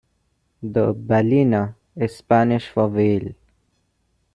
The "ballena" is Spanish for whale.